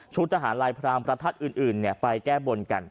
ชุดทหารลายพรามประทัดอื่นไปแก้บนกัน